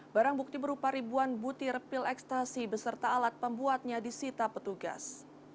barang bukti berupa ribuan butir pil ekstasi beserta alat pembuatnya disita petugas